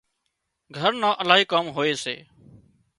گھر نان الاهي ڪام هوئي سي